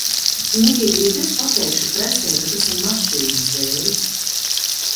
Nikij, gribi, es pateikšu presei, ka tas ir mašīnas dēļ?